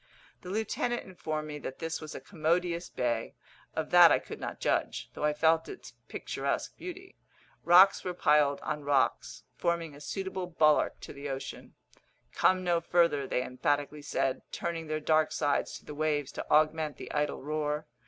The lieutenant informed me that this was a commodious bay. Of that I could not judge, though I felt its picturesque beauty. Rocks were piled on rocks, forming a suitable bulwark to the ocean. "Come no further," they emphatically said, turning their dark sides to the waves to augment the idle roar.